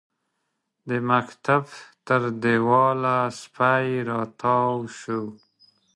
د مکتب تر دېواله سپی راتاو شو.